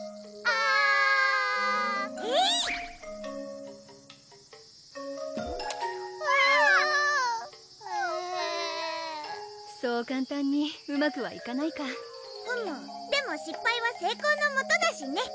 あぁふぇコメそう簡単にうまくはいかないかふむでも失敗は成功のもとだしね！